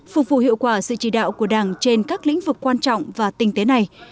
phục vụ hiệu quả sự chỉ đạo của đảng trên các lĩnh vực quan trọng và tinh tế này